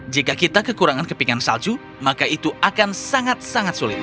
jika kita kekurangan kepingan salju maka itu akan sangat sangat sulit